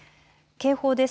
警報です。